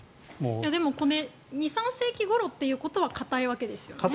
でも、これ２３世紀ごろというのは固いわけですよね。